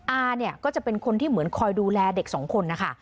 อาเนี่ยก็จะเป็นคนที่เหมือนคอยดูแลเด็กสองคนนะคะ